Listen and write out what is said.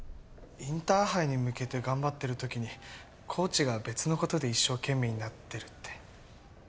インターハイに向けて頑張ってる時にコーチが別の事で一生懸命になってるって。